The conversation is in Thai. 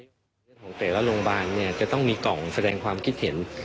เรื่องของแต่ละโรงพยาบาลเนี่ยจะต้องมีกล่องแสดงความคิดเห็น